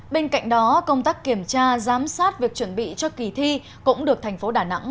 bên cạnh đó công tác kiểm tra giám sát việc chuẩn bị cho kỳ thi cũng được thành phố đà nẵng